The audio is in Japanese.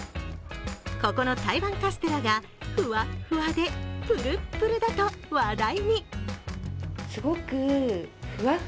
ここの台湾カステラがふわっふわでぷるっぷるだと話題に。